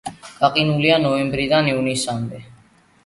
გაყინულია ნოემბრიდან ივნისამდე.